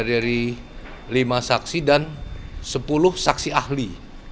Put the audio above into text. dari lima saksi dan sepuluh saksi ahli